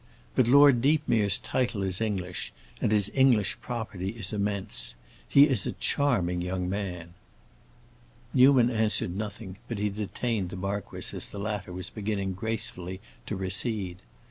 But Lord Deepmere's title is English and his English property is immense. He is a charming young man." Newman answered nothing, but he detained the marquis as the latter was beginning gracefully to recede.